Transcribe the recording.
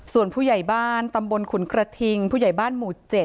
ส่วนผู้ใหญ่บ้านตำบลขุนกระทิงผู้ใหญ่บ้านหมู่๗